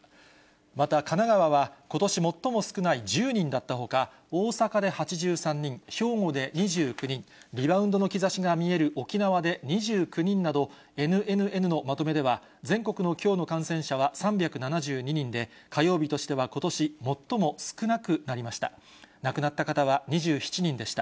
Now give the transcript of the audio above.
また、神奈川はことし最も少ない１０人だったほか、大阪で８３人、兵庫で２９人、リバウンドの兆しが見える沖縄で２９人など、ＮＮＮのまとめでは、全国のきょうの感染者は３７２人で、火曜日としては、ことし最も少なくなりました。